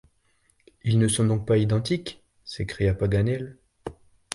Ils ne sont donc pas identiques? s’écria Paganel.